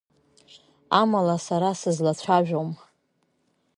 Амала, сара сызлацәажәом.